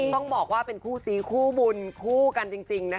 ต้องบอกว่าเป็นคู่ซีคู่บุญคู่กันจริงนะคะ